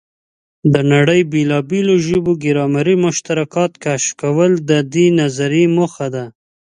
د نړۍ بېلابېلو ژبو ګرامري مشترکات کشف کول د دې نظریې موخه ده.